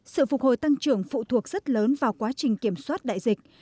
sự phục hồi tăng trưởng phụ thuộc rất lớn vào quá trình kiểm soát đại dịch